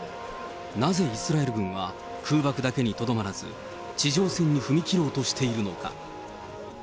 なぜイスラエル軍は空爆だけにとどまらず、地上戦に踏み切ろうとしているのか。